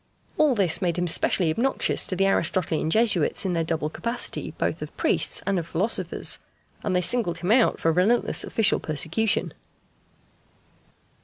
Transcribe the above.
All this made him specially obnoxious to the Aristotelian Jesuits in their double capacity both of priests and of philosophers, and they singled him out for relentless official persecution.